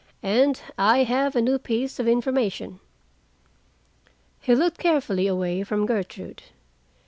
And I have a new piece of information." He looked carefully away from Gertrude.